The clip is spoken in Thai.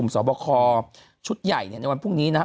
สอบคอชุดใหญ่ในวันพรุ่งนี้นะครับ